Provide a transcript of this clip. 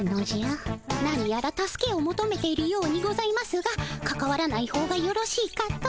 なにやら助けをもとめているようにございますがかかわらないほうがよろしいかと。